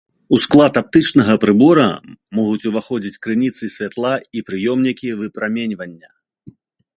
У склад аптычнага прыбора могуць уваходзіць крыніцы святла і прыёмнікі выпраменьвання.